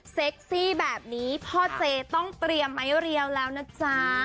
ซี่แบบนี้พ่อเจต้องเตรียมไม้เรียวแล้วนะจ๊ะ